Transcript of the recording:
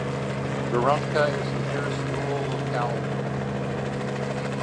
Dragunka is the nearest rural locality.